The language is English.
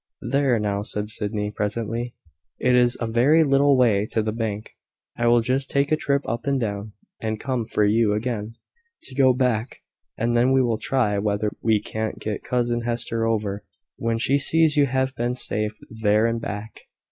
"There, now," said Sydney, presently; "it is a very little way to the bank. I will just take a trip up and down, and come for you again, to go back; and then we will try whether we can't get cousin Hester over, when she sees you have been safe there and back."